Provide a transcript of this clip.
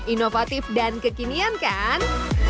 inovatif dan kekinian kan